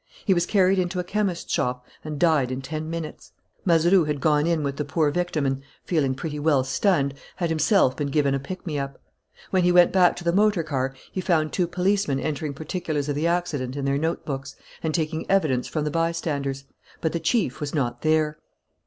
He was carried into a chemist's shop and died in ten minutes. Mazeroux had gone in with the poor victim and, feeling pretty well stunned, had himself been given a pick me up. When he went back to the motor car he found two policemen entering particulars of the accident in their notebooks and taking evidence from the bystanders; but the chief was not there.